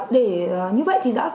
để như vậy thì đã có dấu hiệu